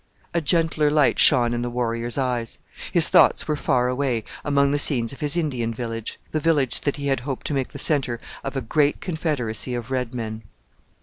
A gentler light shone in the warrior's eyes; his thoughts were far away among the scenes of his Indian village the village that he had hoped to make the centre of a great confederacy of red men.